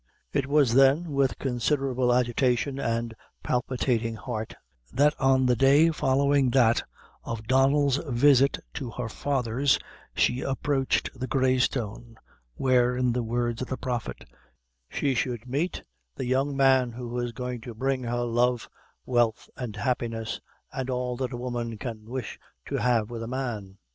It was then with considerable agitation and a palpitating heart, that on the day following that of Donnel's visit to her father's she approached the Grey Stone, where, in the words of the prophet, she should meet "the young man who was to bring her love, wealth, and happiness, and all that a woman can wish to have with a man."